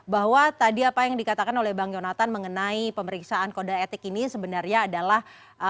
bahwa tadi apa yang dikatakan oleh bang yonatan mengenai pemeriksaan kode etik ini sebenarnya adalah